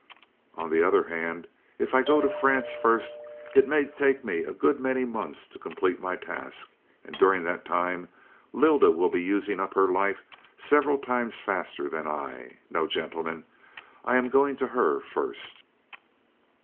On the other hand, if I go to France first, it may take me a good many months to complete my task, and during that time Lylda will be using up her life several times faster than I. No, gentlemen, I am going to her first."